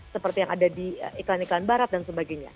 seperti yang ada di iklan iklan barat dan sebagainya